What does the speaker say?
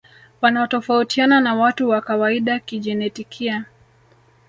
Wanatofautiana na watu wa kawaida kijenetikia